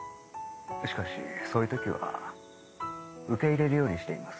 しかしそういう時は受け入れるようにしています。